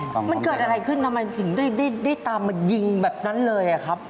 มันเกิดอะไรขึ้นทำไมถึงได้ตามมายิงแบบนั้นเลยอะครับ